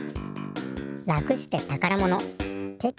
楽してたからもの。